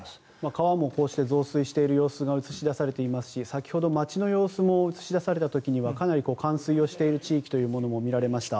川もこうして増水している様子が映し出されていますし先ほど街の様子も映し出された時にはかなり冠水している地域も見られました。